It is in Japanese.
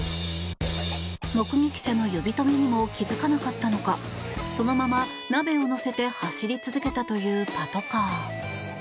目撃者の呼び止めにも気付かなかったのかそのまま鍋を載せて走り続けたというパトカー。